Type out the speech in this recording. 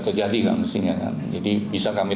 terjadi jadi bisa kami